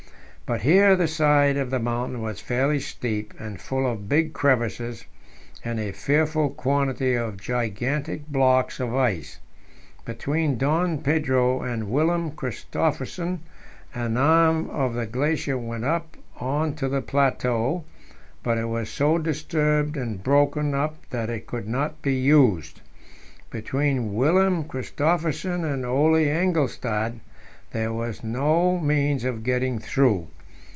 But here the side of the mountain was fairly steep, and full of big crevasses and a fearful quantity of gigantic blocks of ice. Between Don Pedro and Wilhelm Christophersen an arm of the glacier went up on to the plateau, but it was so disturbed and broken up that it could not be used. Between Wilhelm Christophersen and Ole Engelstad there was no means of getting through.